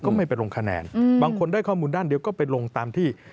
ไม่ไปลงคะแนนบางคนได้ข้อมูลด้านเดียวก็ไปลงตามที่